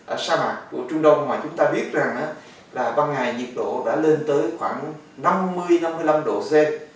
ở sa mạc của trung đông mà chúng ta biết rằng là ban ngày nhiệt độ đã lên tới khoảng năm mươi năm mươi năm độ c